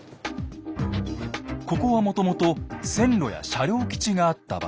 ここはもともと線路や車両基地があった場所。